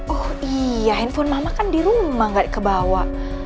oh iya handphone mama kan di rumah gak kebawa